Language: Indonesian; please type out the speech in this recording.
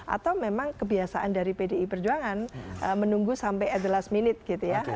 atau memang kebiasaan dari pdi perjuangan menunggu sampai at the last minute gitu ya